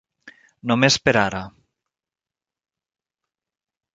Només per ara.